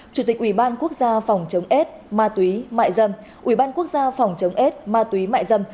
chủ tịch ủy ban quốc gia phòng chống ết ma túy mại dâm ủy ban quốc gia phòng chống ết ma túy mại dâm